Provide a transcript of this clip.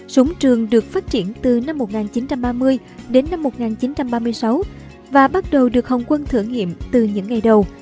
súng trường được phát triển từ năm một nghìn chín trăm ba mươi đến năm một nghìn chín trăm ba mươi sáu và bắt đầu được hồng quân thử nghiệm từ những ngày đầu